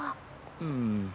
うん。